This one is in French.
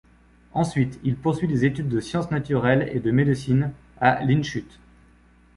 Ensuite il poursuit des études de sciences naturelles et de médecine à Landshut.